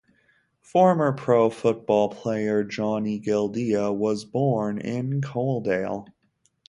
Former pro football player Johnny Gildea was born in Coaldale.